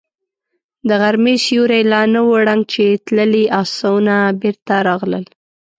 د غرمې سيوری لا نه و ړنګ چې تللي آسونه بېرته راغلل.